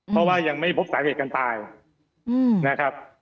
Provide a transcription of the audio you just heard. เพราะว่ายังไม่พบสาเหตุการตายนะครับ